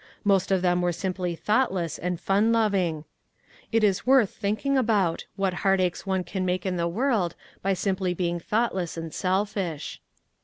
Most of them were simply thoughtless and fun lov ing. It is worth thinking about, what heart aches one can make in the world by simply being thoughtless and selfish.